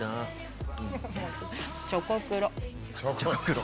チョコクロ！